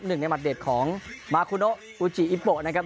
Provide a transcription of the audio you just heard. หนึ่งในหมัดเด็ดของมาคุโนอูจิอิโปะนะครับ